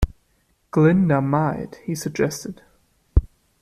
"Glinda might," he suggested.